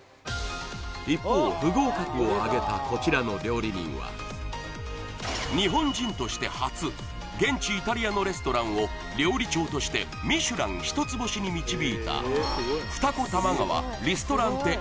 一方不合格をあげたこちらの料理人は日本人として初現地イタリアのレストランを料理長としてミシュラン一つ星に導いた